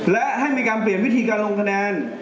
และให้มีการเปลี่ยนวิธีการลงคะแนน